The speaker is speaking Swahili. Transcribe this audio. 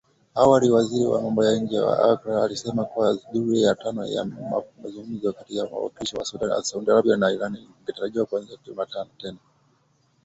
Awali waziri wa mambo ya nje wa Iraq, alisema kuwa duru ya tano ya mazungumzo kati ya wawakilishi wa Saudi Arabia na Iran ingetarajiwa kuanza tena Jumatano